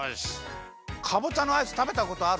かぼちゃのアイスたべたことある？